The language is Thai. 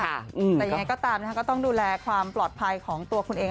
แต่ยังไงก็ตามก็ต้องดูแลความปลอดภัยของตัวคุณเอง